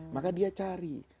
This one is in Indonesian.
maka dia cari